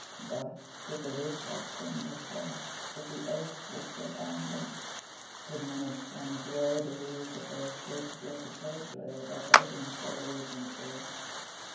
But, if the Whig doctrine were false, if the oath were still binding, could men of sense really believe that they escaped the guilt of perjury by voting for a Regency?